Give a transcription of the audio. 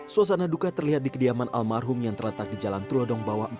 suasana duka terlihat di kediaman almarhum yang terletak di jalan tulodong bawah empat